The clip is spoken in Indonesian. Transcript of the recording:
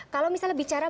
kalau misalnya bicara